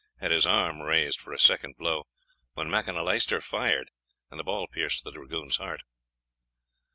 had his arm raised for a second blow, when Macanaleister fired, and the ball pierced the dragoon's heart.